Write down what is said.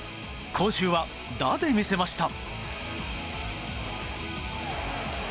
今週は打で見せました。